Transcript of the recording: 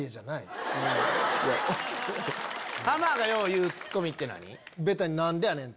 ハマがよう言うツッコミって何？